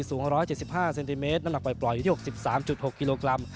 สูง๑๗๕เซนติเมตรน้ำหนักปล่อยอยู่ที่๖๓๖กิโลกรัม